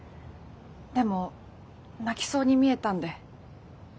でも泣きそうに見えたんで。